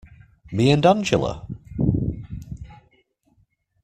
Me and Angela?